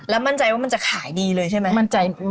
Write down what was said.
แล้วมั่นใจว่ามันจะขายดีเลยใช่ไหม